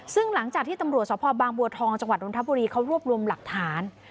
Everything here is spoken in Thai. ซึ่งหลังจากที่ตำรวจสภบางบัวทองจังหวัดนทบุรีเขารวบรวมหลักฐาน